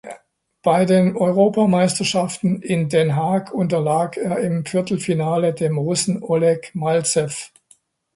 Bei den Europameisterschaften in Den Haag unterlag er im Viertelfinale dem Russen Oleg Malzew.